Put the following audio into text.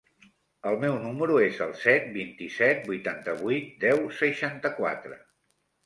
El meu número es el set, vint-i-set, vuitanta-vuit, deu, seixanta-quatre.